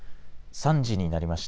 ３時になりました。